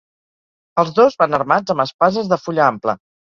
Els dos van armats amb espases de fulla ampla.